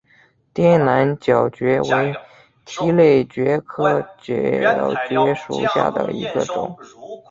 滇南角蕨为蹄盖蕨科角蕨属下的一个种。